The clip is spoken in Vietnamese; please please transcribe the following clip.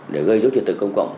để gây dấu trật tự công cộng